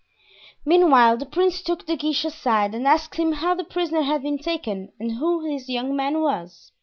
Meanwhile the prince took De Guiche aside and asked him how the prisoner had been taken and who this young man was.